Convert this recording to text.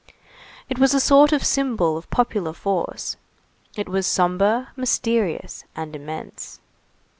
It was a sort of symbol of popular force. It was sombre, mysterious, and immense.